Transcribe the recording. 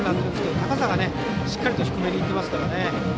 高さがしっかりと低めにいってますからね。